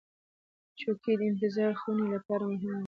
چوکۍ د انتظار خونې لپاره مهمه ده.